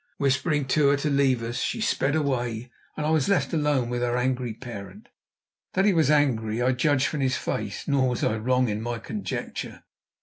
Whispering to her to leave us, she sped away, and I was left alone with her angry parent. That he was angry I judged from his face; nor was I wrong in my conjecture.